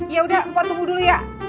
ya udah pot tunggu dulu ya